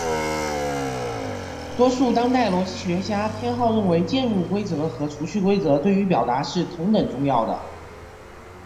多数当代逻辑学家偏好认为介入规则和除去规则对于表达是同等重要的。